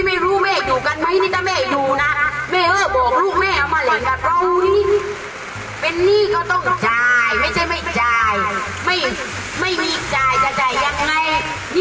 มึงนอนให้สบายใจไปเลยเปิดประตูเราไม่บายใจไปเลย